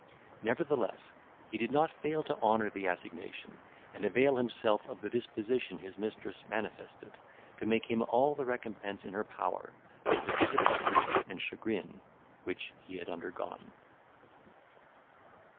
Nevertheless, he did not fail to honour the assignation, and avail himself of the disposition his mistress manifested to make him all the recompense in her power for the disappointment and chagrin which he had undergone.